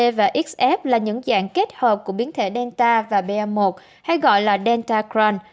xd và xf là những dạng kết hợp của biến thể delta và ba một hay gọi là deltacron